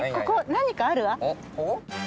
ここ何かあるわ。